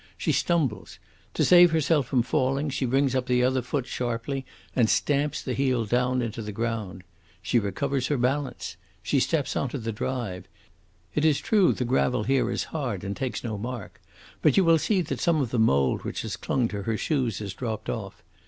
She stumbles. To save herself from falling she brings up the other foot sharply and stamps the heel down into the ground. She recovers her balance. She steps on to the drive. It is true the gravel here is hard and takes no mark, but you will see that some of the mould which has clung to her shoes has dropped off.